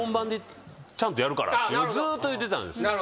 ずっと言ってたんですよ。